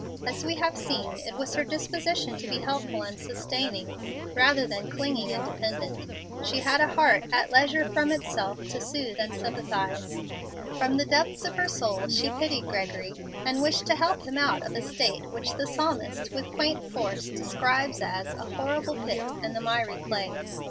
As we have seen, it was her disposition to be helpful and sustaining, rather than clinging and dependent. She had a heart "at leisure from itself, to soothe and sympathize." From the depths of her soul she pitied Gregory and wished to help him out of a state which the psalmist with quaint force describes as "a horrible pit and the miry clay."